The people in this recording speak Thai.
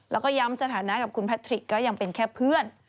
แล้วก็ย้ำสถานะกับคุณแพทริกก็ยังเป็นแค่เพื่อน